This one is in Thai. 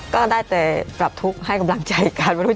ก็ได้แต่กลับทุกข์ให้กำลังใจกัน